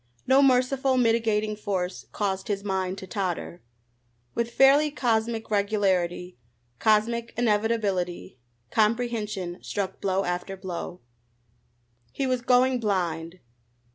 No merciful, mitigating force caused his mind to totter. With fairly cosmic regularity, cosmic inevitability, comprehension struck blow after blow. He was going blind.